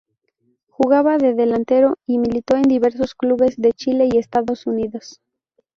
Jugaba de delantero y militó en diversos clubes de Chile y Estados Unidos.